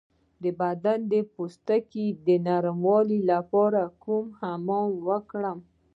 د بدن د پوستکي د نرمولو لپاره کوم حمام وکړم؟